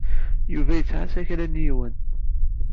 Yuba yettɛassa kra n yiwen.